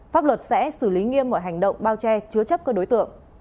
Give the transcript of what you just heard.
pháp luật sẽ xử lý nghiêm mọi hành động bao che chứa chấp các đối tượng